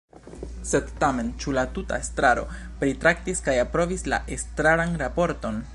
Sed tamen, ĉu la tuta estraro pritraktis kaj aprobis la estraran raporton?